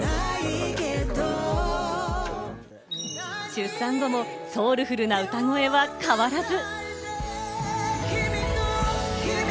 出産後もソウルフルな歌声は変わらず。